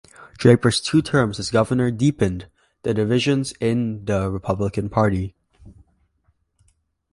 Draper's two terms as governor deepened the divisions in the Republican party.